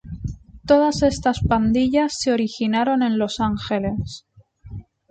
Todas estas pandillas se originaron en Los Ángeles.